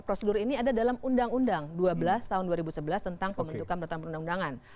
prosedur ini ada dalam undang undang dua belas tahun dua ribu sebelas tentang pembentukan peraturan perundang undangan